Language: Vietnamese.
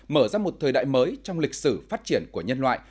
mở ra một thời đại mới trong lịch sử phát triển của nhân loại